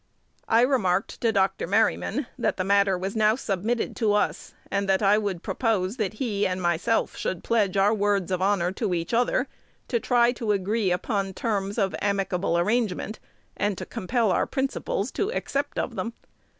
I remarked to Dr. Merryman that the matter was now submitted to us, and that I would propose that he and myself should pledge our words of honor to each other to try to agree upon terms of amicable arrangement, and compel our principals to accept of them.